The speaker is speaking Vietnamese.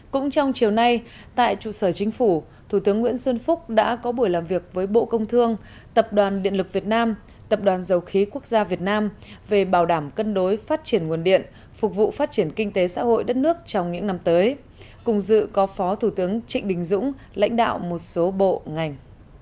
cũng trong chiều nay tại trụ sở chính phủ thủ tướng nguyễn xuân phúc đã có buổi làm việc với bộ công thương tập đoàn điện lực việt nam tập đoàn dầu khí quốc gia việt nam về bảo đảm cân đối phát triển nguồn điện phục vụ phát triển kinh tế xã hội đất nước trong những năm tới cùng dự có phó thủ tướng trịnh đình dũng lãnh đạo một số bộ ngành